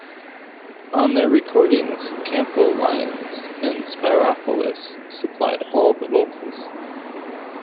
On their recordings Campbell-Lyons and Spyropoulos supplied all the vocals.